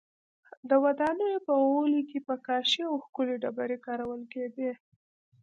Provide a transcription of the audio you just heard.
د ودانیو په غولي کې به کاشي او ښکلې ډبرې کارول کېدې